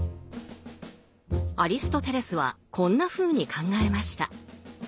アリストテレスはこんなふうに考えました。